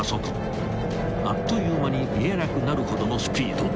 ［あっという間に見えなくなるほどのスピード］